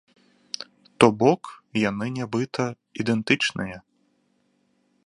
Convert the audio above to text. То бок, яны нібыта ідэнтычныя.